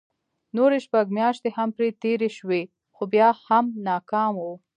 نورې شپږ مياشتې هم پرې تېرې شوې خو بيا هم ناکام وو.